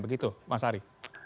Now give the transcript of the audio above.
begitu mas ari